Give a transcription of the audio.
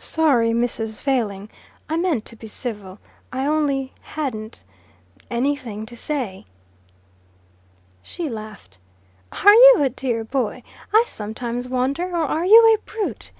"Sorry, Mrs. Failing. I meant to be civil. I only hadn't anything to say." She a laughed. "Are you a dear boy? I sometimes wonder; or are you a brute?"